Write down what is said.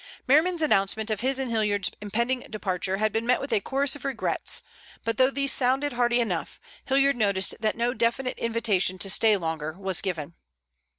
Merriman's announcement of his and Hilliard's impending departure had been met with a chorus of regrets, but though these sounded hearty enough, Hilliard noticed that no definite invitation to stay longer was given.